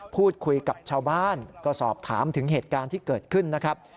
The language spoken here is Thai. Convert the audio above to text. พูดคุยกับชาวบ้านก็สอบถามถึงเหตุการณ์ที่เกิดขึ้นนะครับ